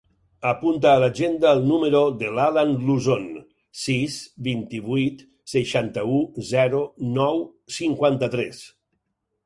Apunta a l'agenda el número de l'Alan Luzon: sis, vint-i-vuit, seixanta-u, zero, nou, cinquanta-tres.